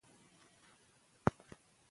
که غوسه شدید وي، باید متخصص ته مراجعه وشي.